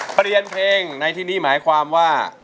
เปลี่ยนเพลงในที่นี่หมายความว่า